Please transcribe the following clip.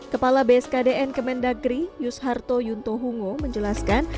kepala bskdn kemendagri yusharto yuntohungo menjelaskan